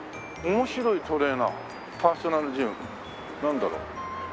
「面白いトレーナーパーソナルジム」なんだろう？